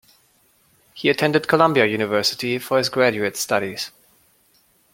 He attended Columbia University, for his graduate studies.